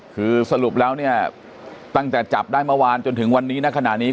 คือสรุปแล้วเนี่ยตั้งแต่จับได้เมื่อวานจนถึงวันนี้นะขณะนี้